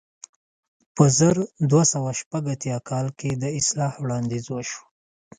په زر دوه سوه شپږ اتیا کال کې د اصلاح وړاندیز وشو.